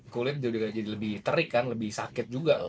kulit juga jadi lebih terik kan lebih sakit juga